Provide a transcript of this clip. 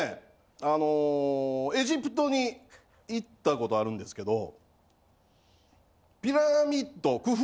あのエジプトに行ったことあるんですけどピラミッドクフ